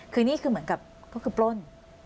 คือนี่คือเหมือนกับก็คือปล้น